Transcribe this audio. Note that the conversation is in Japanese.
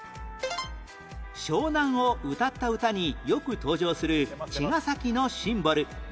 湘南を歌った歌によく登場する茅ヶ崎のシンボル